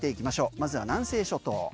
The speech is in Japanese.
まずは南西諸島。